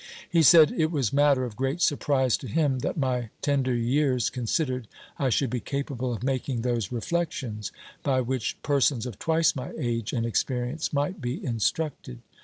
He said, it was matter of great surprise to him, that, my tender years considered, I should be capable of making those reflections, by which persons of twice my age and experience might be instructed.